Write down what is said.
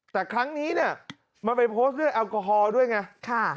แต่ครั้งนี้เนี่ยมันไปโพสต์ด้วยแอลกอฮอล์ด้วยไง